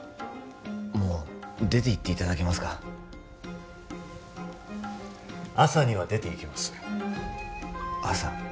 もう出ていっていただけますか朝には出ていきます朝？